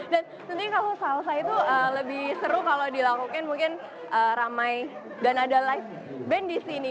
dan ternyata kalau salsa itu lebih seru kalau dilakukan mungkin ramai dan ada live band di sini